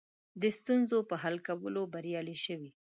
ستونزو حل کولو بریالي شوي.